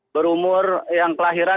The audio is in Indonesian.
berumur yang kelahiran